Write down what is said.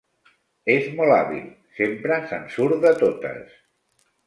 És molt hàbil: sempre se'n surt de totes.